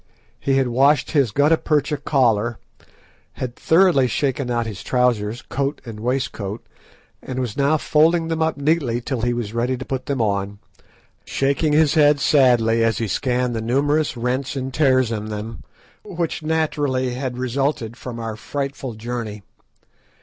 He had washed his gutta percha collar, had thoroughly shaken out his trousers, coat and waistcoat, and was now folding them up neatly till he was ready to put them on, shaking his head sadly as he scanned the numerous rents and tears in them, which naturally had resulted from our frightful journey.